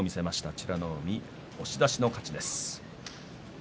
美ノ海、押し出しの勝ちです。